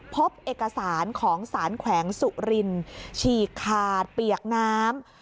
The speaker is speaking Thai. พบเอกสารของสารแขวงสุรินฉีกขาดเปียกน้ำ